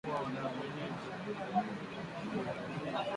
Wanachama wengine hawakuonyesha utashi wa kuwa wenyeji